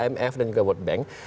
imf dan juga world bank